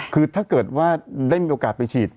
คือถ้าเกิดว่าได้มีโอกาสไปฉีด